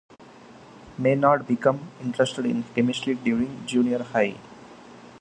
Maynard became interested in chemistry during junior high.